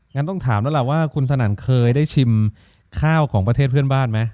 งั้นต้องถามแล้วล่ะว่าคุณสนั่นเคยได้ชิมข้าวของประเทศเพื่อนบ้านไหม